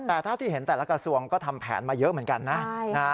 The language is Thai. แต่เท่าที่เห็นแต่ละกระทรวงก็ทำแผนมาเยอะเหมือนกันนะ